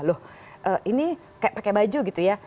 loh ini kayak pakai baju gitu ya